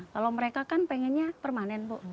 kalau mereka kan pengennya permanen bu